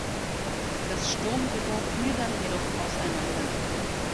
Das Sturmduo fiel dann jedoch auseinander.